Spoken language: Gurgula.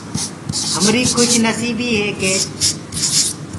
همريٚ کُش نسيٚبيٚ هي ڪي